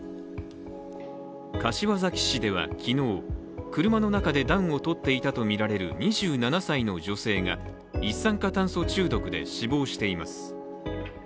柏崎市では昨日、車の中で暖を取っていたとみられる２７歳の女性が一酸化炭素中毒で死亡しています。